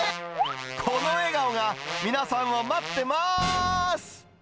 この笑顔が、皆さんを待ってまーす！